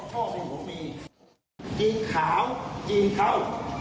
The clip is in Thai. จีนขาวจีนเข้า